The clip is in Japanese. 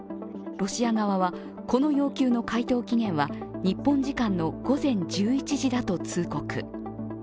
ロシア側はこの要求の回答期限は日本時間の午前１１時だと通告。